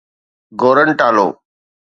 Gorontalo